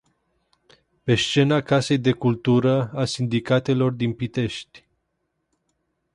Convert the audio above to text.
Pe scena Casei de Cultură a Sindicatelor din Pitești.